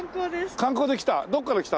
観光で来た？